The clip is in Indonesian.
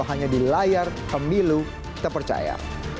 hanya di layar pemilu terpercaya